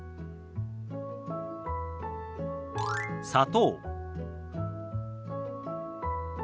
「砂糖」。